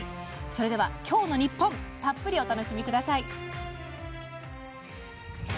それでは「今日のニッポン」たっぷりお楽しみください。